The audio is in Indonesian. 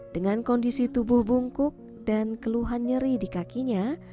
dengan kondisi tubuh bungkuk dan keluhan nyeri di kakinya